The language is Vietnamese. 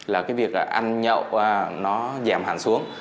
là cái việc ăn nhậu nó giảm hẳn xuống